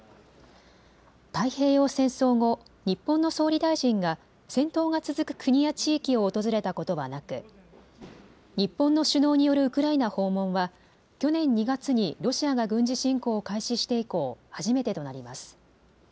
太平洋戦争後、日本の総理大臣が戦闘が続く国や地域を訪れたことはなく、日本の首脳によるウクライナ訪問は去年２月にロシアが軍事侵攻を開始して以降、初めてとなります。